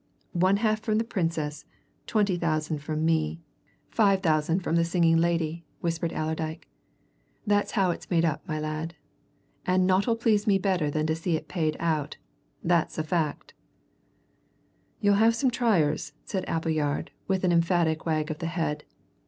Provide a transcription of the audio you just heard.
"One half from the Princess; twenty thousand from me; five thousand from the singing lady," whispered Allerdyke. "That's how it's made up, my lad. And naught'll please me better than to see it paid out that's a fact!" "You'll have some triers," said Appleyard, with an emphatic wag of the head.